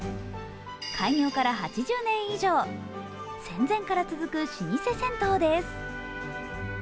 開業から８０年以上、戦前から続く老舗銭湯です。